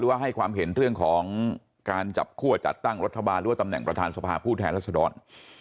ว่าให้ความเห็นเรื่องของการจับคั่วจัดตั้งรัฐบาลหรือว่าตำแหน่งประธานสภาผู้แทนรัศดร